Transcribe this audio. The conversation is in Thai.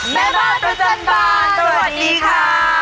แม่บ้านประจันบานสวัสดีค่ะ